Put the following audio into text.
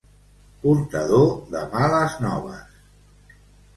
Portador de males noves.